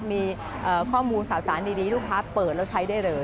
มีข้อมูลข่าวสารดีลูกค้าเปิดแล้วใช้ได้เลย